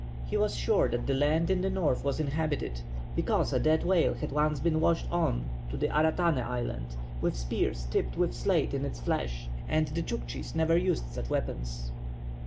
He was sure that the land in the north was inhabited, because a dead whale had once been washed on to Aratane Island with spears tipped with slate in its flesh, and the Tchouktchis never used such weapons.